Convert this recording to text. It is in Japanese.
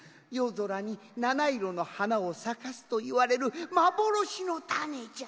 ぞらになないろのはなをさかすといわれるまぼろしのタネじゃ。